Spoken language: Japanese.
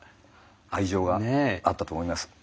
愛情があったと思います。